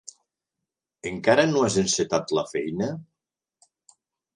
Encara no has encetat la feina?